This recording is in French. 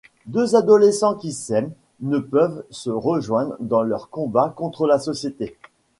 Deux adolescents qui s'aiment ne peuvent se rejoindre dans leur combat contre la société.